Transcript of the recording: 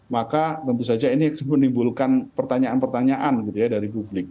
maka tentu saja ini menimbulkan pertanyaan pertanyaan dari publik